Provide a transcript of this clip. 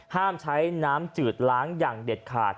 ห้ามใช้น้ำจืดล้างอย่างเด็ดขาด